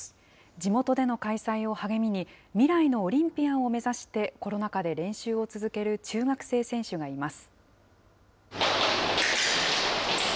地元での開催を励みに、未来のオリンピアンを目指してコロナ禍で練習を続ける中学生選手がいます。